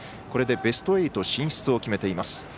これでベスト８進出を決めています。